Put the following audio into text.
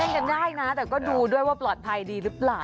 กันได้นะแต่ก็ดูด้วยว่าปลอดภัยดีหรือเปล่า